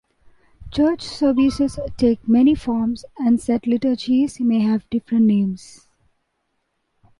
Church services take many forms, and set liturgies may have different names.